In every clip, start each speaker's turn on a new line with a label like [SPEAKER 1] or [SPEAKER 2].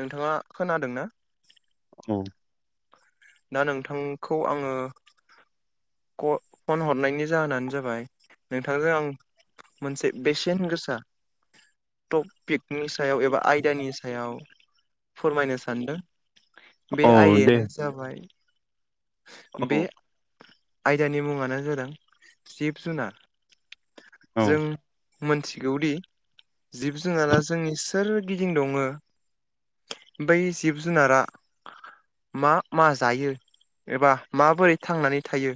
[SPEAKER 1] नोंथांङा खोनादों ना
[SPEAKER 2] औ
[SPEAKER 1] दा नोंथांखौ आंङो फन हरनायनि जाहोनानो जाबाय नोंथांजों आं मोनसे बेसेन गोसा टपिकनि सायाव एबा आयदानि सायाव फोरमायनो सानदों बे आयदायानो जाबाय बे आयदानि मुंङानो जादों जिब जुनार जों मिथिगौदि जिब जुनारा जोंनि सोरगिदिं दङ [unintelligible] बमै जिब जुनारा मा मा जायो एबा माबोरै थांनानै थायो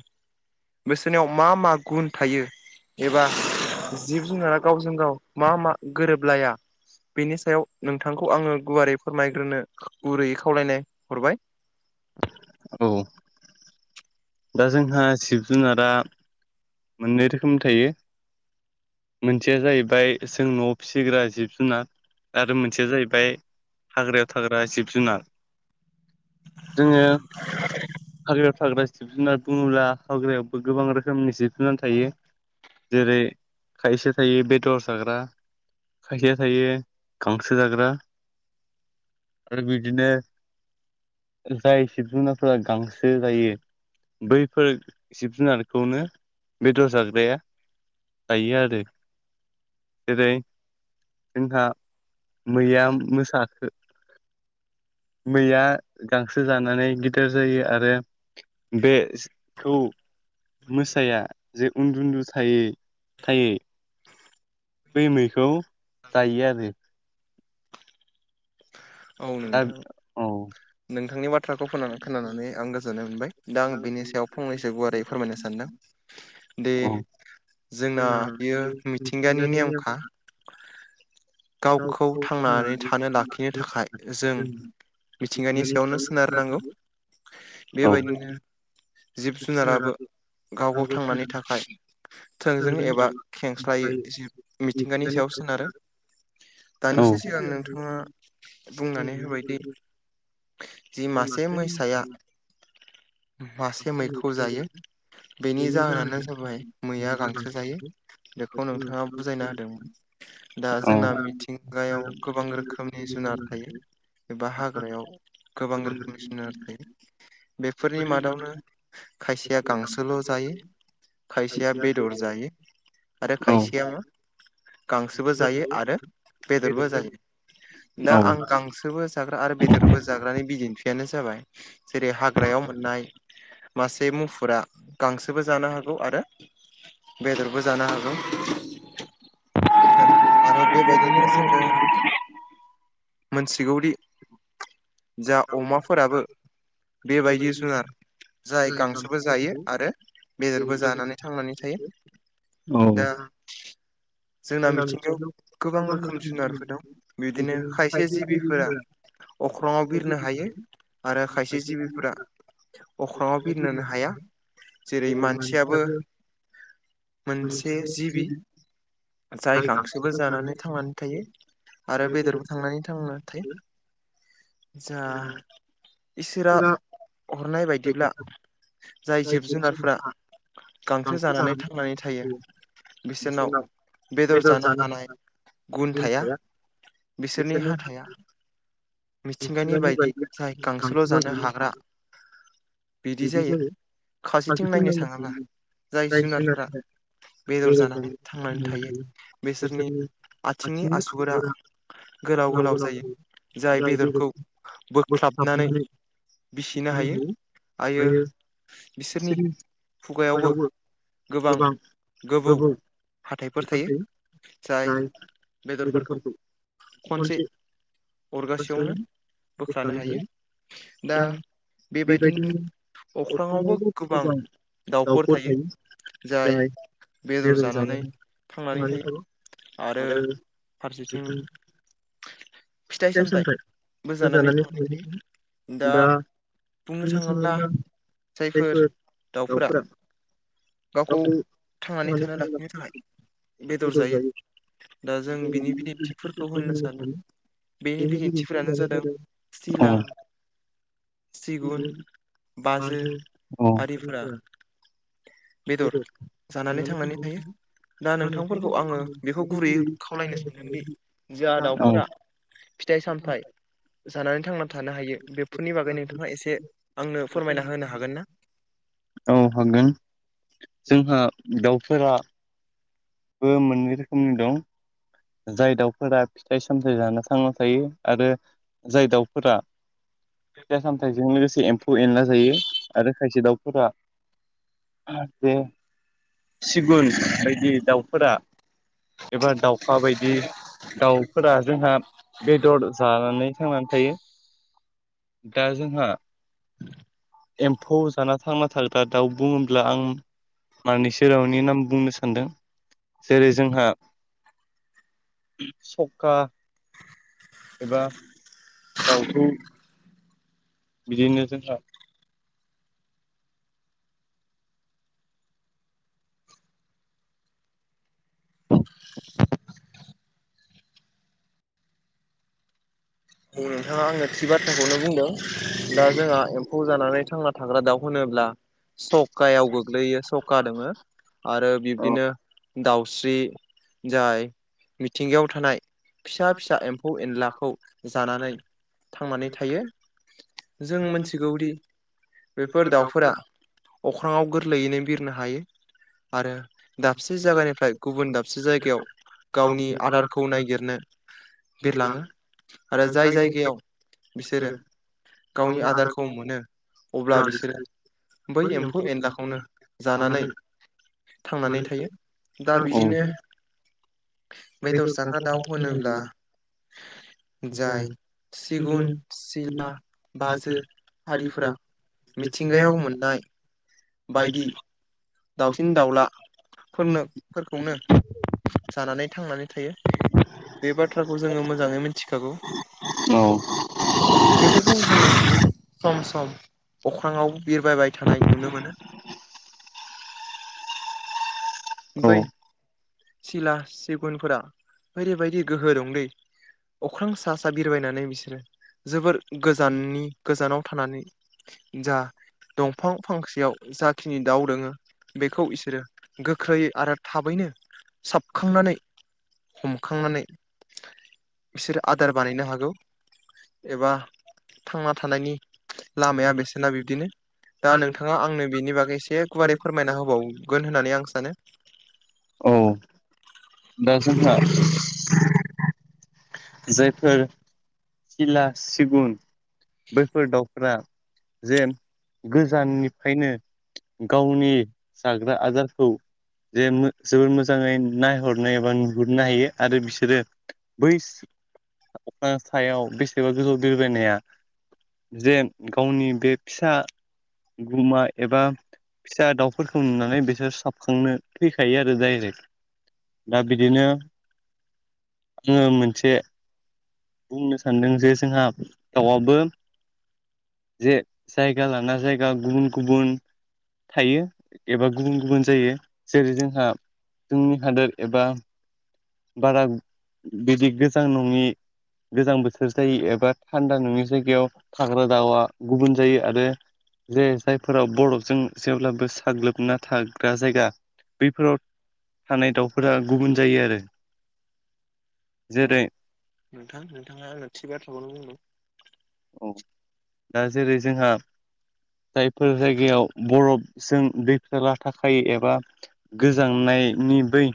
[SPEAKER 1] बिसोरनियाव मा मा गुन थायो एबा जिब जुनारा गावजों गाव मा मा गोरोबलाया बेनि सायाव नोंथांखौ आङो गुवारै फोरमायग्रोनो गुरैयै खावलायनाय हरबाय
[SPEAKER 2] औ दा जोंहा जिब जुनारा मोननै रोखोम थायो मोनसेया जाहैबाय जों न'आव फिसिग्रा जिब जुनार आरो मोनसेया जाहैबाय हाग्रायाव थाग्रा जिब जुनार जोङो हाग्रायाव फाग्रा सिब जना बुङोब्ला हाग्रायावबो गोबां रोखोमनि सिब थनानै थायो जेरै खायसे थायो बेदर जाग्रा खायसेया थायो गांसो जाग्रा आरो बिदिनो जाय जिब जुनारफोरा गांसो जायो बैफोर जिब जुनारखौनो बेदर जाग्राया थायो आरो जेरै जोंहा मैया मोसाखो मैया गांसो जानानै गिदिर जायो आरो बेखौ मो फिसाया जे उन्दु उन्दु थायै थायै बै मैखौ जायो आरो दा औ
[SPEAKER 1] नोंथांनि बाथ्राखौनो खोनानानै आं गोजोननाय मोनबाय दा आं बिनि सायाव फंनैसो गुवारै फोरमायनो सानदों दे जोंना बियो मिथिंगानि नेमखा गावखौ थांनानै थानो लाखिनो थाखाय जों मिथिंगानि सायावनो सोनारनांगौ बेबायदिनो जिब जुनाराबो गाव गाव थांनानै थाखाय थोंजों एबा खेंस्लायो एसे मिथिंगानि सायाव सोनारो दानिसो सिगां नोंथाङा बुंनानै होबायदि जि मासे मैसाया मासे मैखौ जायो बेनि जाहोनानो जाबाय मैया गांसो जायो बेखौ नोंथाङा बुजायना होदोंमोन दा जोंना मिथिं हागायाव गोबां रोखोमनि जुनार थायो एबा हाग हाग्रायाव गोबां रोखोमनिसिनो आरोखायो बेफोरनि मादावनो खायसेया गांसोल' जायो खायसेया बेदर जायो आरो खायसेया गांसोबो जायो आरो बेदरबो जायो दा आं गांसोबो जाग्रा आरो बे बिसोरबो जाग्रानि बिदिन्थियानो जाबाय जेरै हाग्रायाव मोननाय मासे मुफुरा गांसोबो जानो हागौ आरो बेदरबो जानो हागौ आ बे बे बेदिनोसै मोनथिगौदि जा अमाफोराबो बेबायदि सोनार जाय गांसोबो जायो आरो बेदरबो जानानै थांनानै थायो
[SPEAKER 2] औ
[SPEAKER 1] जोंना मिथिंगायाव गोबां रोखोम जुनारफोर दं बिदिनो खायसे जिबिफोरा अख्राङाव बिरनो हायो आरो खायसे जिबिफोरा अख्राङाव बिरनोनो हाया जेरै मानसियाबो मोनसे जिबि। जाय गांसोबो जानानै थांनानै थायो आरो बेदरबो थांनानै थांनानै थायो। जा इसोरा हरनाय बायदिब्ला जाय जिब-जुनारफ्रा गांसो जानानै थांनानै थायो बिसोरनाव बेदर जानो हानाय गुन थाया बिसोरनि हाथाया मिथिंगानि बायदि जाय गांसोल' जानो हाग्रा बिदि जायो। खावसेथिं नायनो थाङोब्ला जाय जुनारफोरा बेदर जानानै थांनानै थायो बेसोरनि आथिंनि आसुगुरा गोलाव गोलाव जायो। जाय बेदरखौ बोख्लाबनानै बिसिनो आयो बिसोरनि खुगायावबो गोबां गोबौ हाथाइफोर थायो। जाय बेदरफोरखौ खनसे अरगासेयावनो बोख्लानो हायो दा बेबायदिनो अख्राङावबो गोबां दाउफोर थायो। जाय बेदर जानानै थांनानै थायो आरो फारसेथिं फिथाइ सामथाइबो जानानै थांनानै थायो दा
[SPEAKER 2] [unintelligible] जायफोर दाउफोरा गावखौ [unintelligible] बेदर जायो बेफोरबायदि बिदिन्थिफोरखौ होनो हायो। बेनि जेरै [unintelligible] औ
[SPEAKER 1] बाजो आरिफोरा बेदर जानानै थांनानै थायो दा नोंथां फोरखौ आङो बेखौ गुरै खावलायनो सानदोंदि जा दाउफोरा फिथाइ सामथाइ जानानै थांनानै थानो हायो बेफोरनि बागै नोंथाङा एसे आंनो फोरमायना होनो हागोनना?
[SPEAKER 2] औ हागोन जोंहा दाउफोरा बो मोननै रोखोमनि दं। जाय दाउफोरा फिथाइ सामथाइ जाना थांना थायो आरो जाय दाउफोरा फिथाइ सामथाइजों लोगोसे एम्फौ एनला जायो आरो खायसे दाउफोरा जे सिगुन बायदि दाउफोरा एबा दाउखा बायदि दाउफोरा जोंहा बेदरफोरा जानानै थांनानै थायो। दा जोंहा एम्फौ जाना थांना थाग्रा दाउ बुङोब्ला आं मानैसो दाउनि नाम बुंनो सानदों जेरै जोंहा सका एबा दाउखौ बिदिनो जोंहा
[SPEAKER 1] औ नोंथाङा आंनो थि बाथ्राखौनो बुंदों दा जोंहा एम्फौ जानानै थांना थाग्रा दाउ होनोब्ला सकायाव गोग्लैयो सका दोङो आरो बिब्दिनो दाउस्रि जाय मिथिंगायाव थानाय फिसा फिसा एम्फौ एनलाखौ लानानै थांनानै थायो जों मिथिगौदि बेफोर दाउफोरा अख्राङाव गोरलैयैनो बिरनो हायो। आरो दाबसे जायगानिफ्राय गुबुन दाबसे जायगायाव गावनि आदारखौ नायगिरनो बिरलाङो आरो जाय जायगायाव बिसोरो गावनि आदारखौ मोनो अब्ला बिसोरो बै एम्फौ एनलाखौनो जानानै थांनानै थायो दा बिदिनो बेदर जाग्रा दाउ होनोब्ला जाय सिगुन सिला बाजो हारिफोरा मिथिंगायाव मोननाय बायदि दाउसिन दाउलाफोरनो फोरखौनो जानानै थांनानै थायो बे बाथ्राखौ जोङो मोजाङै मिथिखागौ बेफोरखौ जोङो सम सम अख्राङाव बिरबायबाय थानाय नुनो मोनो
[SPEAKER 2] [unintelligible]
[SPEAKER 1] बै सिला सिगुनफोरा ओरैबायदि गोहो दंदि अख्रां सा सा बिरबायनानै बिसोरो जोबोर गोजाननि गोजानाव थानानै जा दंफां फांसेयाव जाखिनि दाउ दोङो बेखौ बिसोरो गोख्रैयै आरो थाबैनो साबखांनानै हमखांनानै बिसोरो आदार बानायनो हागौ एबा थांना थानायनि लामाया बेसेना बिब्दिनो दा नोंथाङाव आंनो बेनि बागै एसे गुवारै फोरमायना होबावगोन होननानै आं सानो
[SPEAKER 2] औ दा जोंहा जायफोर सिला सिगुन बैफोर दाउ फोरा जे गोजाननिफ्रायनो गावनि जाग्रा आदारखौ जे जोबोर मोजाङै नायहरनो एबा नुहुरनो हायो आरो बिसोरो बै सायाव बेसेबा गोजौ बिरबायनाया जे गावनि बे फिसा [unintelligible] गुमा एबा फिसा दाउफोरखौ नुनानै बिसोर साबखांनो फैखायो आरो डाइरेक्ट दा बिदिनो आङो मोनसे बुंनो सानदों जे जोंहा दाउआबो जे जायगा लाना जायगा गुबुन गुबुन थायो एबा गुबुन गुबुन जायो जेरै जोंहा जोंनि हादोर एबा बारा बिदि गोजां नङि गोजां बोथोर जायो एबा थान्दा नङि जायगायाव थाग्रा दाउआ गुबुन जायो आरो जे जायफोराव बरफजों जेब्लाबो साग्लोबना थाग्रा जायगा बैफोराव थानाय दाउफोरा गुबुन जायो आरो जेरै
[SPEAKER 1] नोंथां नोंथाङा आंनो थिग बाथ्राखौनो बुंदों
[SPEAKER 2] औ दा जेरै जोंहा जायफोर जायगायाव बरफजों दै फिथला [unintelligible] थाखायो एबा गोजांनायनि बै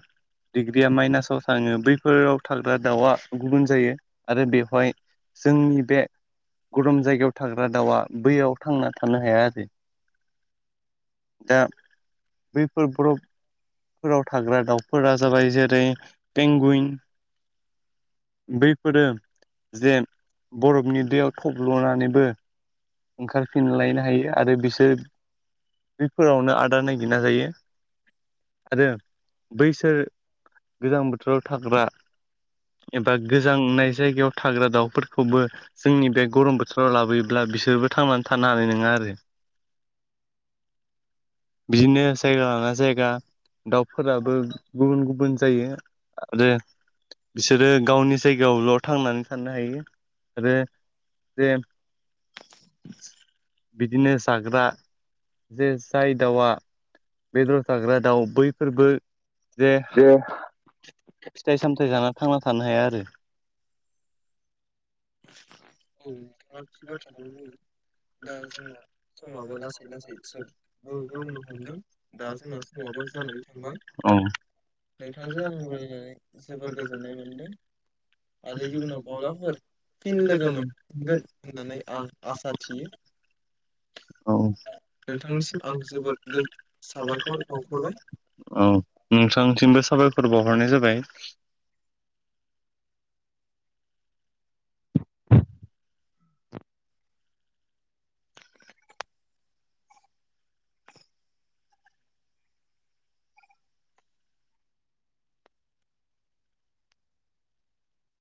[SPEAKER 2] डिग्रिया माइनासाव थाङो बैफोराव थाग्रा दाउआ गुबुन जायो आरो बेवहाय जोंनि बे गरम जायगायाव थाग्रा दाउआ बैयाव थांना थानो हाया आरो दा बैफोर बरफ फोराव थाग्रा दाउफोरा जाबाय जेरै पेंगुइन बैफोरो जे बरफनि दैयाव थब्ल'नानैबो ओंखारफिनलायनो हायो आरो बिसोर बेफोरावनो आदार नायगिरना जायो आरो बैसोर गोजां बोथोराव थाग्रा एबा गोजांनाय जायगायाव थाग्रा दाउफोरखौबो जोंनि बे गरम बोथोराव लाबोयोब्ला बिसोरबो थांनानै थानो हानाय नङा आरो
[SPEAKER 1] [inaudible]
[SPEAKER 2] बिदिनो जायगा लाना जायगा दाउफोराबो गुबुन गुबुन जायो आरो बिसोरो गावनि जायगायावल' थांनानै थानो हायो आरो जे बिदिनो जाग्रा जे जाय दाउआ बेदर जाग्रा दाउ बैफोरबो जे फिथाइ सामथाइ जानानै थांना थानो हाया आरो
[SPEAKER 1] [unintelligible]
[SPEAKER 2] औ [unintelligible] समाबो लासै लासै जाबोनो हमदों दा जोंहा समबो जानानै थांबाय नोंथांजों आं जोबोद गोजोननाय मोनदों आरो इयुनाव माब्लाबाफोर
[SPEAKER 1] फिन लोगो मोनगोन होननानै आं आसा थियो
[SPEAKER 2] औ नोंथांसिम आंखौबो फिन‌ साबायखर बावहरबाय औ नोंथांसिमबो साबायखर बावहरनाय जाबाय